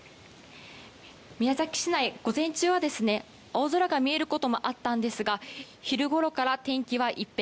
宮崎市内、午前中は青空が見えることもあったんですが昼ごろから天気は一変。